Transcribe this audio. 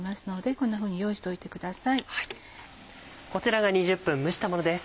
こちらが２０分蒸したものです。